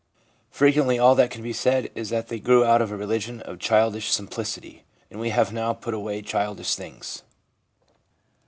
Frequently all that can be said is that they grew out of a religion of childish simplicity, and have now put away childish things.